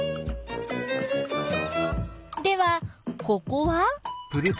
ではここは？